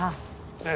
ええ。